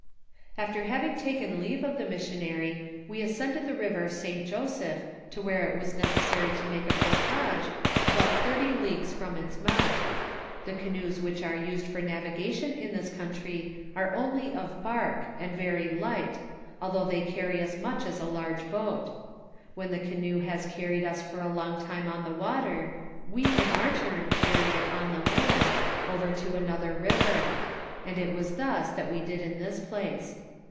"After having taken leave of the missionary, we ascended the river St Joseph to where it was necessary to make a portage, about thirty leagues from its mouth. The canoes which are used for navigation in this country are only of bark, and very light, although they carry as much as a large boat When the canoe has carried us for a long time on the water, we in our turn carry it on the land, over to another river ; and it was thus that we did in tliis place.